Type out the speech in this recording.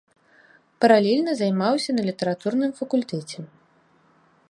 Паралельна займаўся на літаратурным факультэце.